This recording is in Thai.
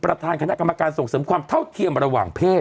ประธานคณะกรรมการส่งเสริมความเท่าเทียมระหว่างเพศ